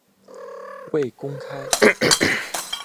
未公开